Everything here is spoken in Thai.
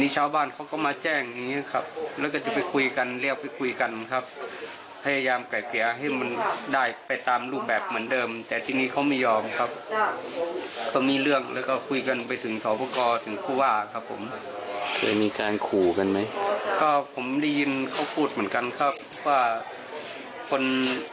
จนเป็นเป็นเรื่องขัดแย้งกันด้วย